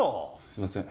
すいません。